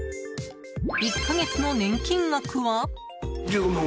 １か月の年金額は？